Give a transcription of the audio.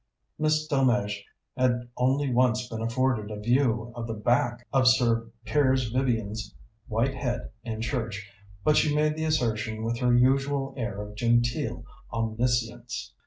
Miss Delmege had only once been afforded a view of the back of Sir Piers Vivian's white head in church, but she made the assertion with her usual air of genteel omniscience.